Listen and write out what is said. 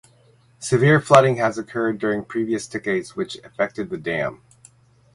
Severe flooding has occurred during previous decades which affected the dam.